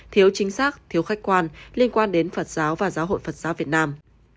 thiếu chính xác thiếu khách quan liên quan đến phật giáo và giáo hội phật giáo việt nam